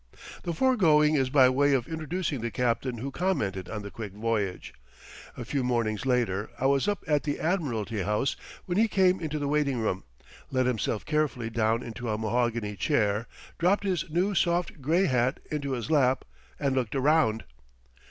The foregoing is by way of introducing the captain who commented on the quick voyage. A few mornings later I was up at the Admiralty House when he came into the waiting room, let himself carefully down into a mahogany chair, dropped his new soft gray hat into his lap, and looked around.